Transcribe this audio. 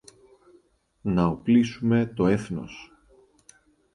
να οπλίσουμε το έθνος.